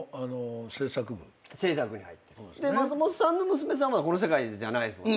松本さんの娘さんはこの世界じゃないですもんね。